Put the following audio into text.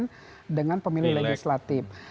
pemilu presiden dengan pemilu legislatif